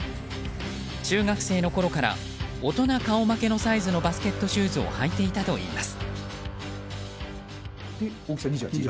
中学生のころから大人顔負けのサイズのバスケットシューズを履いていたといいます。